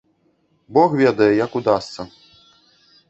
Бог ведае, як удасца.